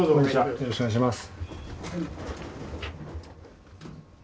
よろしくお願いします。